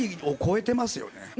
ＣＧを超えてますよね。